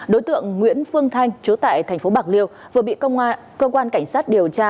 đối tượng nguyễn phương thanh chú tại thành phố bạc liêu vừa bị cơ quan cảnh sát điều tra